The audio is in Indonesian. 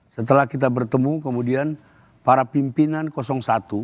setelah kita bertemu kemudian para pimpinan satu